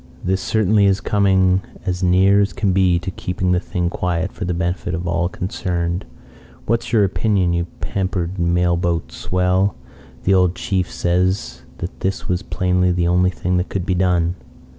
"This certainly is coming as near as can be to keeping the thing quiet for the benefit of all concerned. What's your opinion, you pampered mail boat swell? The old chief says that this was plainly the only thing that could be done.